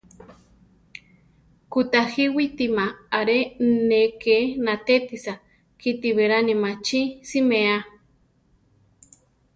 Kutajíwitima aré ne ké natétisa; kíti beláni machí siméa.